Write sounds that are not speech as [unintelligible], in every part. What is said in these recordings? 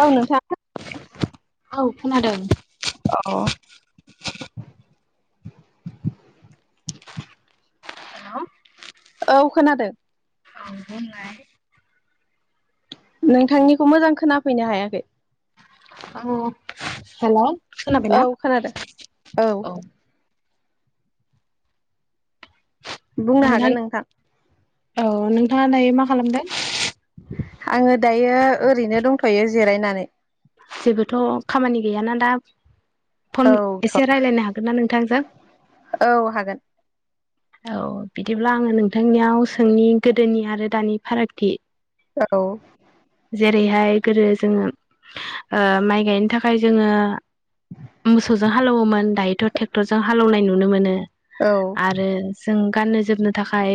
औ नोंथां [unintelligible] औ खोनादों औ। [inaudible] औ खोनादो। बुंनाय नोंथांनिखौ मोजां खोनाफैनो हायाखै औ हेलौ औ खोनाबायना खोनादों औ बुंनो हागोन नोंथां औ नोंथाङा दायो मा खालामदो आङो दायो ओरैनो दंथ'यो जिरायनानै जेबोथ' खामानि गैयाना दा फन औ इसे रायलायनो हागोन ना नोंथांजो औ हागोन औ बिदिब्ला आङो नोंथांनियाव सोंनि गोदोनि आरो दानि फारागथि। औ। ओरैहाय गोदो जोंङो ओ माइ गायनो थाखाय जोंङो मोसौजों हालौवोमोन दायोथ' टेक्टरजों हालेवनाय नुनो मोनो। औ आरो जों गाननो जोबनो थाखाय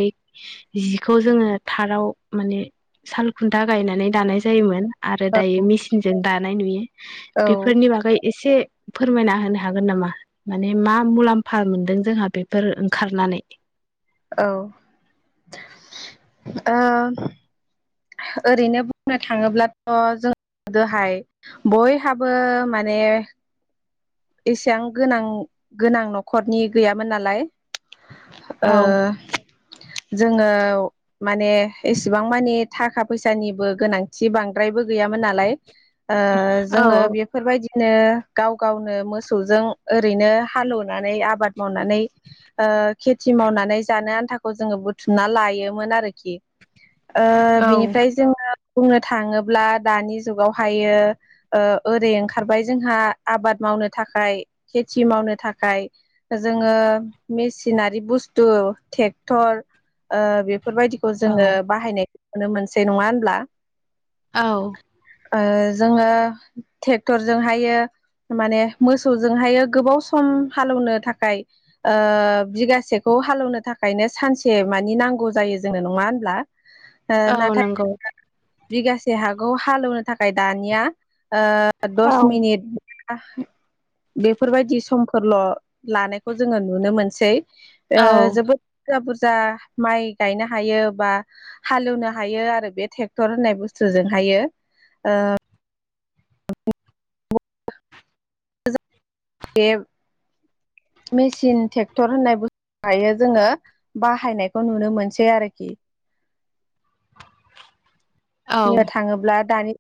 जिखौ जोंङो थाराव माने सालखुन्था गायनानै दानाय जायोमोन। आरो दायो औ मिचिनजों दानाय नुयो औ बेफोरनि बागै इसे फोरमायना होनो हागोन नामा माने मा मुलाम्फा मोन्दों जोंहा बेफोर ओंखारनानै। जानाय औ ओ ओरैनो बुंनो थाङोब्लाथ' जों गोदोहाय बयहाबो माने एसेबां गोनां गोनां न'खरनि गैयामोन नालाय ओ औ जोङो माने एसेबां मानिे थाखा फैसानिबो गोनांथि बांद्रायबो गैयामोन नालाय ओ औ जोङो बेफोरबायदिनो गाव गावनो मोसौजों ओरैनो हालेवनानै आबाद मावनानै ओ खेथि मावनानै ज आन्थाखौ जोङो बुथुमना लायोमोन आरोखि ओ औ बिनिफ्राय जोङो बुंनो थाङोब्ला दानि जुगावहायो ओ ओरै ओंखारबाय जोंहा आबाद मावनो थाखाय खेथि मावनो थाखाय जोङो मेसिनारि बुस्थु ट्रेक्टर, ओ बेफोरबायदिखौ जोङो औ बाहायनायखौ नुनो मोनसै नङा होनब्ला? औ ओ जोङो ट्रेक्टरजों हायो माने मोसौजोंहायो गोबाव सम हालौवनो थाखाय ओ बिगासेखौ हालेवनो थाखाय ओंखायनो सानसे मानि नांगौ जायो जोनो नङा होनब्ला? ओ औ नाथाय नंगौ। बिगासे हाागखौ हालेवनो थाखाय दानिया ओ औ दस मिनिट बेफोरबायदि समफोरल' लानायखौ जोङो नुनो मोनसै। आ औ जोबोद जा माइ गायनो हायो बा हालेवनो हायो आरो बे ट्रेक्टर होननाय बुस्थुजोंहाय आयो अ [unintelligible] मेसििन ट्रेक्टर होननाय बुस्थु दायो जोङो बाहायनायखौ नुनो मोनसै आरोखि औ जनियाव थाङोब्ला दानि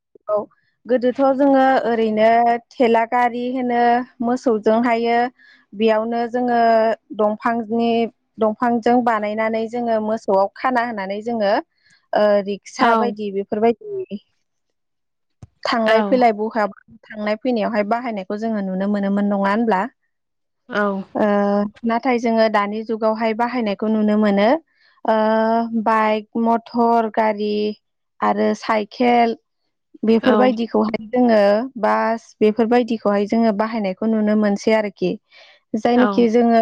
गोदोथ' जोङो ओरैनो थेला गारि होनो मोसौजोंहाय बेयावनो जोङो दंफांनि दंफांजों बानायनानै जोङो मोसौआव खाना होनानै जोङो औ रिक्सा बायदि बेफोरबायदि थांलाय फैलाय औ बहा थांनाय फैनायावहाय बाहायनायखौ जोङो नुनो मोनोमोन नङा होनब्ला? औ ओ नाथाय जोङो दानि जुगावहाय बाहायनायखौ नुनो मोनो आ बाइक मथर गारि आरो साइकेल औ बेफोरबायदिखौहाय जोङो बास बेफोरबायदिखौहाय जोङो बाहायनायखौ नुनो मोनसै आरोखि जायनोखि जोङो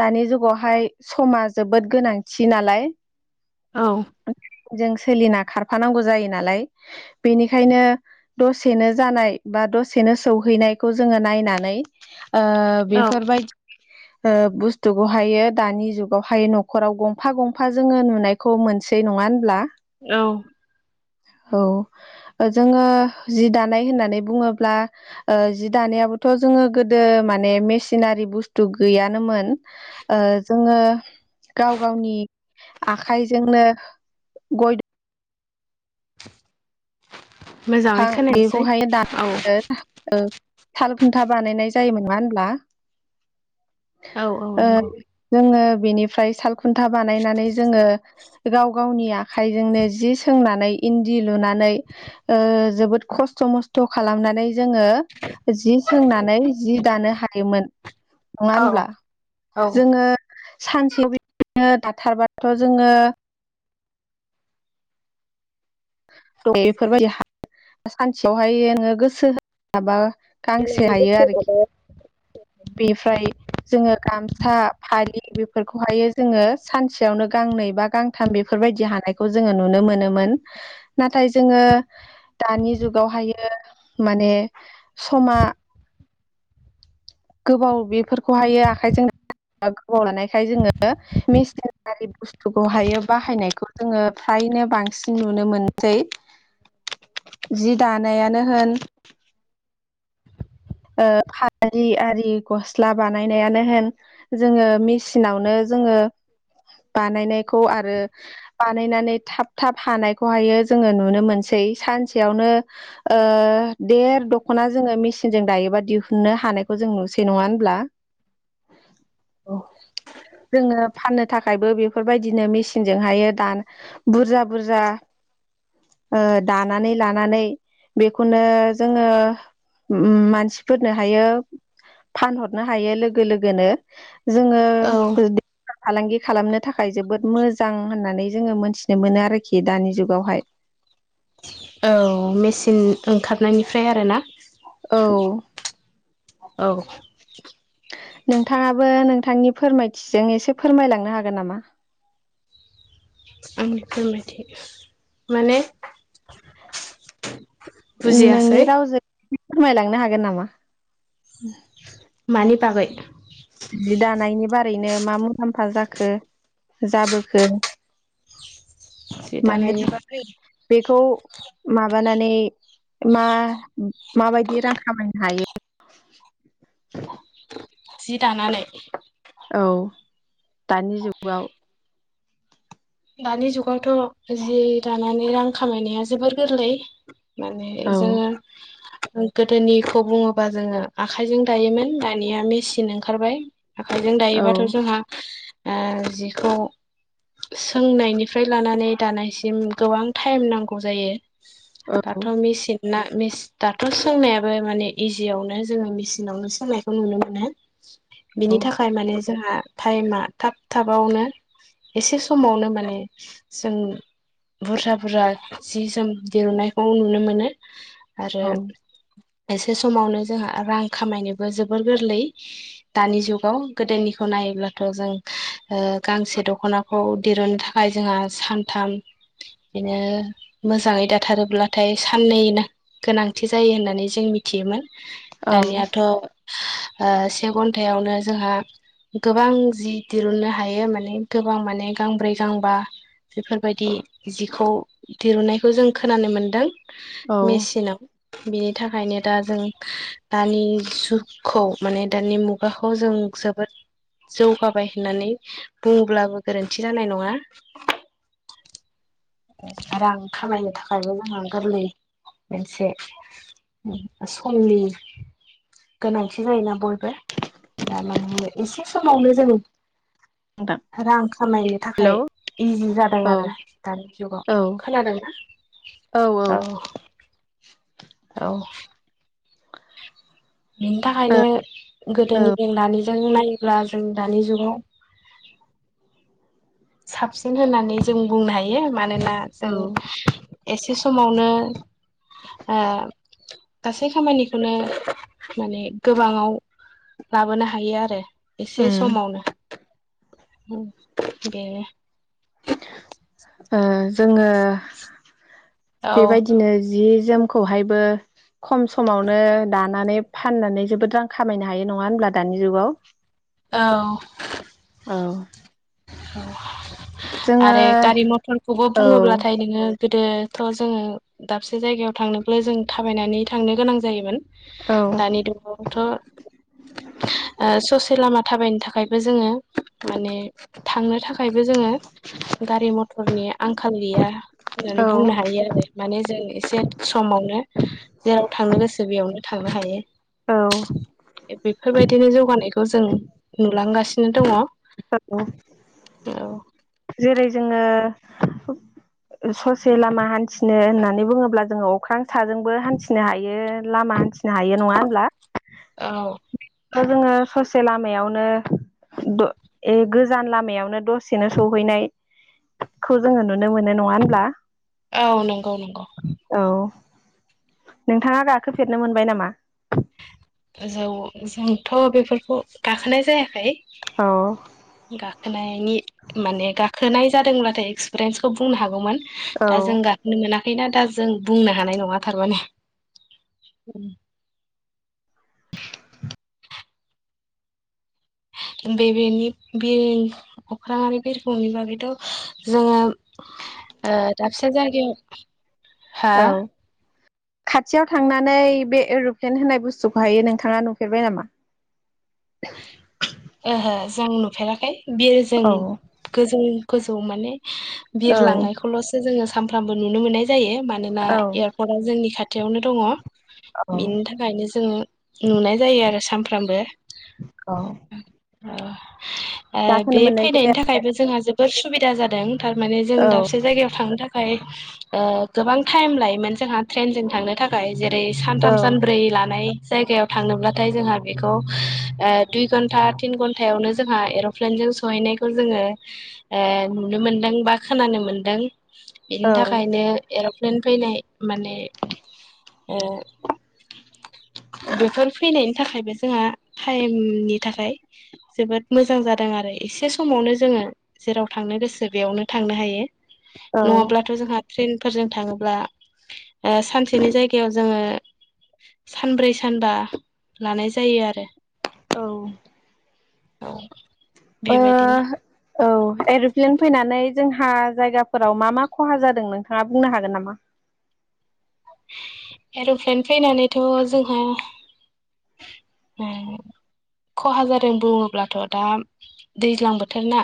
दानि जुगावहाय समा जोबोद गोनांथि नालाय औ जों सोलिना खार थफानांगौ जायो नालाय बेनिखायनो दसेनो जानाय बा दसेनो सौहैनाय जोंङो नायनानै ओ बेफोरबायदि ओ बुस्थुखौहायो दानि जुगावहाय न'खराव गंफा गंफा जोङो नुनायखौ मोनसेै नङा होनब्ला? औ औ जोङो जि दानाय होननानै बुङोब्ला जि दानायाबोथ' जोङो गोदो माने मेसिनारि बुस्थु गैयानोमोन जोङो गाव गावनि आखाइजोंनो गय मोजाङै बिफां खोनायासै बेखौहाय औ दानो औ । साल खुन्था बानायनाय जायोमोन नङा होनब्ला? औ औ ओ नंगौ जोङो बेनिफ्राय सालखुन्था बानायनानै जोङो गाव गावनि आखाइजोंनो जि सोंनानै इन्दि लुनानै ओ जोबोद खस्थ' मस्थ' खालामनानै जोङो जि सोंनानै जि दानो हायोमोन । नङा औ होनब्ला औ जोङो सानसेयाव बिदिनो दाथारबाथ' जोङो द बेफोरबायदि सानसेयावहाय नोङो गोसो होनो हाबा गांसे हायो आरोखि बेनिफ्राय जोङो गाम सा फालि बेफोरखौहायो जोङो सानसेयावनो गांनै बा गांथाम बेफोरबायदि हानायखौ जों जोङो नुनो मोनोमोन नाथाय जोङो दानि जुगावहायो माने समा गोबाव बेफोरखौ हायो आखाइजों गोबाव लानायखाय जोङो मेसिनारि बुस्थुखौहायो बाहायनायखौ जोङो फ्राय नो बांसिन नुनो मोनसै । जि दानायानो होन ओ फालि आरि गस्ला बानायनायानो होन जोङो मेसिनावनो जोङो बानायनायखौ आरो बानायनानै थाब थाब हानायखौहायो जोङो नुनो मोनसै । सानसेआवनो ओ देर दखना जोङो मेसि जों दायोबा दिहुननो हानायखौ जों नुसै नङा होनब्ला? जोङो फाननो थाखायबो बेफोरबायदिनो मेचनजोंहायो दान बुरजा बुरजा ओ दानानै लानानै बेखौनो जोङो उम मानसिफोरनो हायो फानहरनो हायो लोगो लोगोनो जोङो औ बेफार फालांगि खालामनो थाखाय जोबोद मोजां होननानै जोङो मोनथिनो मोनो आरोखि दानि जुगावहाय । औ मेचिन ओंखारनायनिफ्राय आरो ना औ । औ नोंथाङाबो नोंथांनि फोरमायथिजों एसे फोरमायलांनो हागोन नामा? आंनिफोरमायथि माने नोंनि बुजियासै रावजों फोरमायलांनो हागोन नामा? मानि बागै जि दानायनिबा ओरैनो मा मुलाम्फा जाखो जाबोखो? जि माने दानायनि बागै बेखौ माबानानै मा माबायदि रां खामायनो हायो । [inaudible] जि दानानै औ दानि जुगाव दानि जुगावथ' जि दानानै रां खामायनाया जोबोर गोरलै माने औ जोङो गोदोनिखौ बुङोबा जोङो आखायजों दायोमोन दानिया मेचन ओंखारबाय । आखाइजों औ दायोबाथ' जोंहा ओ जिखौ सोंनायनिफ्राय लानानै दानायसिम गोबां टाइम नांगौ जायो । औ दाथ मिसिन ना दाथ' सोंनायाबो माने इजियावनो जोङो मेचिनावनो सोंनायखौ नुनो मोनो । बिनि औ थाखाय माने जोंहा टाइमा थाब थाबावनो एसे समावनो माने जों बुरजा बुरजा जि जोम दिरुननायखौ नुनो मोनो । आरो औ एसे समावनो जोंहा रां खामायनोबो जोबोर गोरलै दानि जुगाव गोदोनिखौ नाय नायायोब्लाथ' जों ओ गांसे दख'नाखौ दिरुननो थाखाय जोंहा सानथाम बेनो मोजाङै दाथारोब्लाथाय साननै ना गोनांथि जायो होननानै जों मिथियोमोन औ दानियाथ' [inaudible] ओ से घन्टायावनो जोंहा गोबां जि दिरुननो हायो माने गोबां माने गांब्रै गांबा बेफोरबायदि जिखौ दिरुननायखौ जों खोनानो मोन्दों औ मेसिनाव बिनि थाखायनो दा जों दानि जुगखौ माने दानि मुगाखौ जों जोबोद जौगाबाय होननानै बुंब्लाबो गोरोन्थि जानाय नङा। रां खामायनो थाखायबो जोंहा गोरलै । मोनसे सम'नि गोनांथि जायोना बयबो दामाने एसे समावनो जों नोंथां रां खामायनो हेलौ थाखाय इजि जादों औ आरो दा औ खोनादोंना? औ ओ औ औ बेनि थाखायनो औ गोदोनि जेंनानि जों नायोब्ला जों दानि जुगाव साबसिन होननानै जों बुंनो हाय यो मोना औ जों एसे समावनो ओ गासै खामानि खौनो माने गोबाङाव लाबोनो हायो आरो। एसे उम समावनो बेनो । ओ जोङो औ बेबायदिनो जि जोमखौ हायबो ख'म समावनो दानानै फाननानै जोबोद रां खामायनो हायो नङा होनब्ला दानि जुगाव। औ। औ औ जोङो आरो गारि मथरखौबो औ बुङोब्लाथाय नोङो गोदोथ' जोङो दाबसे जायगायाव थांनोब्ला जों थाबायनानै थांनो गोनां जायोमोन औ दानि दु [inaudible] थ' ओ सस लामा थाबायनो थाखायबो जोङो माने थांनो थाखायबो जोङो गारि मथरनि आंखाल गैया औ होननानै बुंनो हायो आरो माने जों एसे समावनो जेराव थांनो गोसो बेयावनो थांनो हायो औ बेफोरबायदिनो जौगानायखौ जों नुलांगासिनो दङ। [inaudible] जेरै' जोङो ससे लामा हान्थिनो होननानै बुङोब्ला जोङो अख्रां साजोंबो हान्थिनो हायो लामा हान्थि नो हायो नङा होनब्ला औ दा जोङो ससे लामायावनो द ए गोजान लामायावनो दसेनो सहैनाय खौ जोङो नुनो मोननाय नङा होनब्ला। औ नंगौ नंगौ। औ नोंथाङा गाखोफेरनो मोनबाय नामा? जौ जोंथ' बेफोरखौ गाखोनाय जायाखै औ गाखो नायनि माने खोनाय जादोंब्लाथाय एक्सपिरियेन्सखौ बुंनो हागौमोन औ दा जों गाखोनो मोना खैना दा जों बुंनो हानाय नङा थारमाने [inaudible] बे बेनि बे अखांरि बिरखंनि बागैथ' जोङो ओ दाबसे जायगायाव हा औ खाथियाव थांनानै बे एर'प्लेन होननाय बुस्थुखौहायो नोंथाङा नुफेरबाय नामा? मोजां नुफेराखै बियो जों औ गोजौ गोजौ माने बिर औ लांनायखौल'सो जोङो सानफ्रामबो नुनो मोननाय जायो मानोना औ एयारपर्टआ जोंनि खाथियावनो दङ' औ बेनि थाखायनो जोंङ नुनाय जायो आरो सानफ्रामबो औ बे गाखोनो मोननाय फैनायनि जाया थाखायबो जोंहा जोबोर सुबिदा जादों थारमान जों औ दाबसे जायगायाव थांनो थाखाय गोबां टाइम लायोमोन जोंहा ट्रेनजों थांनो थाखाय जेरै ओरै औ सानथाम सानब्रै लानाय जायगायाव थांनोब्लाथाय जोंहा बेखौ दुइ घन्टा थिन घन्टायावनो जोंहा एर'प्लेनजों सहैनायखौ जोङो ओ नुनो मोनदों बा खोनानो मोनदों औ बेनि थाखायनो ए फैनाय माने ओ बेफोर फैनायनि थाखायबो जोंहा टाइमनि थाखाय जोबोद मोजां जादों आरो एसे समावनो जोङो जेराव थां थांनो गोसो बेयावनो थांनो हायो औ नङाब्लाथ' जोंहा ट्रेनफोरजों थाङोब्ला सानसेनि जायगायाव जोङो सानब्रै सानबा लानाय जायो आरो औ औ ओ औ एर'प्लेन फैनानै जोंहा जायगाफोराव मा मा खहा जादों नोंथाङा बुंनो हागोन नामा एर'प्लेन फैनानैथ' जोंहा ओ [inaudible] खहा जादों बुङोब्लाथ' दा दैज्लां बोथोर ना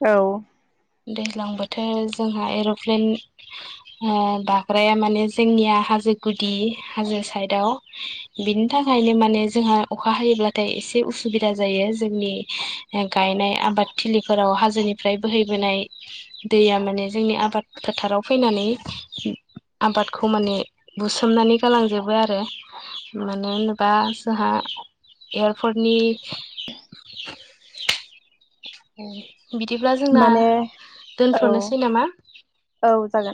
औ दैज्लां बोथोर जोंहा एर'प्लेन बाग्राया माने जोंनिया हाजो गुदि हाजो साइडआव बिनि थाखायनो माने जोंहा अखा हायोब्लाथाय एसे उसुबिदा जायो जोंनि गायनाय आबाद थिलिफोराव हाजोनिफ्राय बोहै बोनाय दैया माने जोंनि आबाद फोथाराव फैनानै आबादखौ माने बुसोमनानै गालांजोबो आरो मानो होनोबा जोंहा एयारपर्टनि बिदिब्ला जोंना माने औ दोनथ'नोसै नामा औ जागोन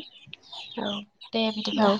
औ देदिब्ला औ